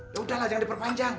ya sudah lah jangan diperpanjang